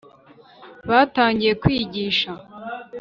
Batangiye kwigisha